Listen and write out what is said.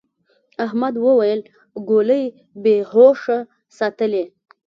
احمد وويل: گولۍ بې هوښه ساتلې.